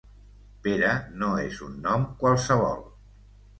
Pere no és un nom qualsevol.